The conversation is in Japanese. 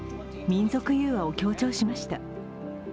民族融和を強調しました。